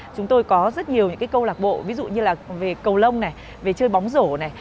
chúng tôi có rất nhiều những cái câu lạc bộ ví dụ như là về cầu lông này về chơi bóng rổ này